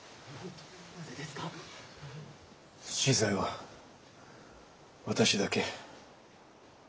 死罪は私だけ。